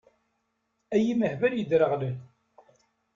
Ay imehbal yedreɣlen!